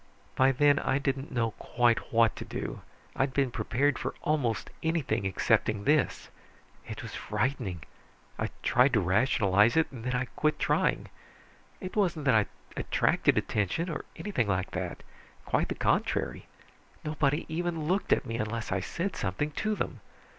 "By then I didn't know quite what to do. I'd been prepared for almost anything excepting this. It was frightening. I tried to rationalize it, and then I quit trying. It wasn't that I attracted attention, or anything like that, quite the contrary. Nobody even looked at me, unless I said something to them.